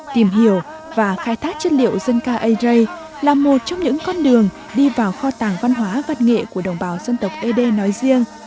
tìm hiểu và khai thác chất liệu dân ca ây rây là một trong những con đường đi vào kho tàng văn hóa văn nghệ của đồng bào dân tộc ế đê nói riêng